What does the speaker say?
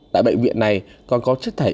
tại bệnh viện này còn có chất thải y tế